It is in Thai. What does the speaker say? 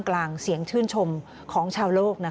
ความรับผิดชอบการตัดสินใจที่เด็ดขาด